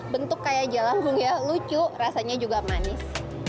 bentuk kayak jelang bunga lucu rasanya juga manis